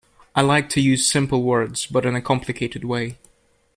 I like to use simple words, but in a complicated way.